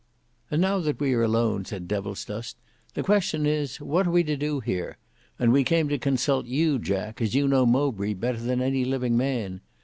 "And now that we are alone," said Devilsdust, "the question is what are we to do here; and we came to consult you, Jack, as you know Mowbray better than any living man.